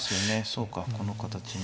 そうかこの形の。